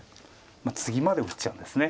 ツギまで打っちゃうんですね。